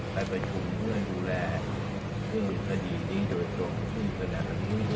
ไปประชุมเพื่อดูแลเรื่องวิธีนี้โดยตรงที่ส่วนหน้า